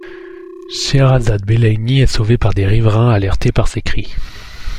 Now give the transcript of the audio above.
Shérazade Belayni est sauvée par des riverains alertés par ses cris.